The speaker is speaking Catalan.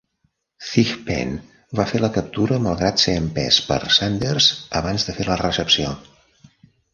Thigpen va fer la captura malgrat ser empès per Sanders, abans de fer la recepció.